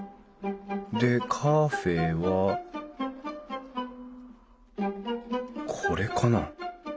でカフェはこれかな？